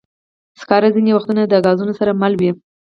سکاره ځینې وختونه د ګازونو سره مله وي.